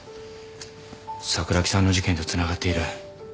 桜木さんの事件とつながっている。